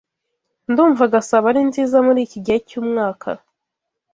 Ndumva Gasabo ari nziza muriki gihe cyumwaka.